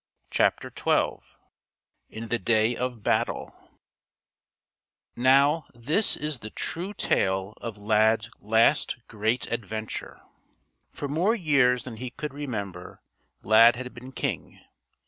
CHAPTER XII IN THE DAY OF BATTLE Now, this is the true tale of Lad's last great adventure. For more years than he could remember, Lad had been king.